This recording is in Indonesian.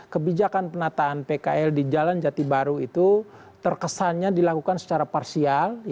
kebijakan penataan pkl di jalan jati baru itu terkesannya dilakukan secara parsial